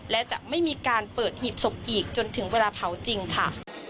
และจะไม่มีการเปิดหีบศพอีกจนถึงเวลาเผาจริงค่ะ